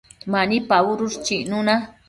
Mani pabudush chicnuna